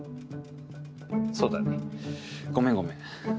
そうだね。ごめんごめん。